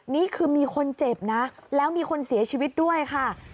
นี่คือมีคนเจ็บนะแล้วมีคนเสียชีวิตด้วยค่ะ